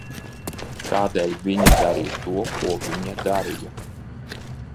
Kādēļ viņa darīja to, ko viņa darīja?